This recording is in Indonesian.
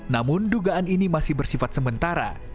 namun dugaan ini masih bersifat sementara